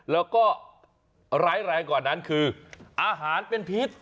แล้วก็ร้ายแรงกว่านั้นคืออาหารเป็นพิษ